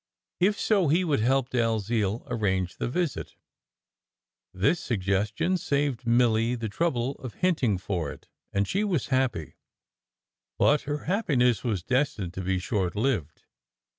If so, he would help Dalziel arrange the visit. This suggestion saved Milly the trouble of hinting for it, and she was happy; but her happiness was destined to be short lived.